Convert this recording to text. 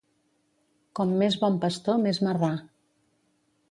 Com més bon pastor, més marrà.